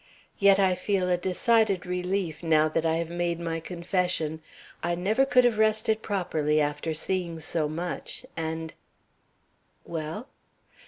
Yet I feel a decided relief now that I have made my confession. I never could have rested properly after seeing so much, and " "Well?"